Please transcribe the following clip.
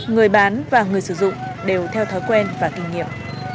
người bán và người sử dụng đều theo thói quen và kinh nghiệm